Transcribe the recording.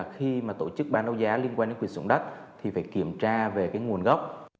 khi mà tổ chức bán đấu giá liên quan đến quyền sử dụng đất thì phải kiểm tra về cái nguồn gốc